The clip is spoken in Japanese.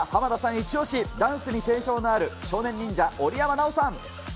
一押し、ダンスに定評のある少年忍者・織山尚大さん。